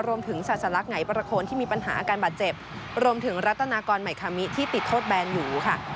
ศาสลักษณไหนประโคนที่มีปัญหาอาการบาดเจ็บรวมถึงรัตนากรใหม่คามิที่ติดโทษแบนอยู่ค่ะ